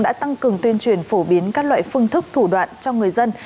đã tăng cường tuyên truyền phổ biến các loại phương thức thủ đoạn cho người dân